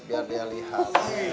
biar dia lihat